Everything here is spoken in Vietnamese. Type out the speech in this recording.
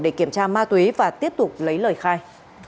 để kiểm tra ma túy và tiếp tục lấy lời khai